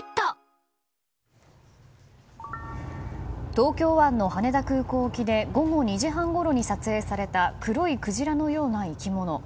東京湾の羽田空港沖で午後２時半ごろに撮影された黒いクジラのような生き物。